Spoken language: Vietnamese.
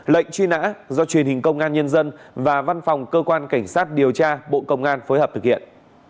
lệnh truy nã do truyền hình công an nhân dân và văn phòng cơ quan cảnh sát điều tra bộ công an phối hợp thực hiện